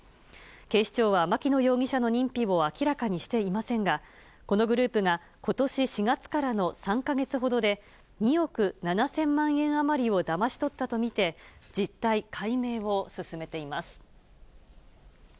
警視庁は牧野容疑者の認否を明らかにしていませんが、このグループがことし４月からの３か月ほどで、２億７０００万円余りをだまし取ったと見て、実態解明を進めています。